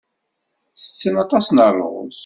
Ttetten aṭas n ṛṛuz.